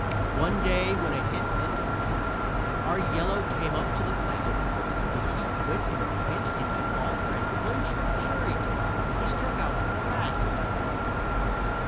One day when a hit meant a pennant Our "Yellow" came up to the bat; Did he quit in the pinch? Did he falter and flinch? Sure he did. He struck out like a rat!